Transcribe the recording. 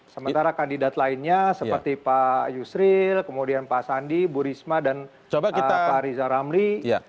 sementara kandidat lainnya seperti pak yusril kemudian pak sandi bu risma dan pak riza ramli